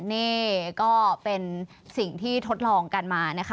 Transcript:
นี่ก็เป็นสิ่งที่ทดลองกันมานะคะ